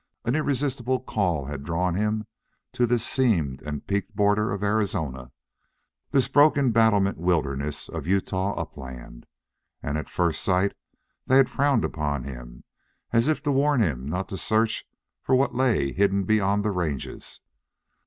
An irresistible call had drawn him to this seamed and peaked border of Arizona, this broken battlemented wilderness of Utah upland; and at first sight they frowned upon him, as if to warn him not to search for what lay hidden beyond the ranges.